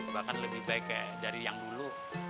bahkan lebih baik dari yang dulu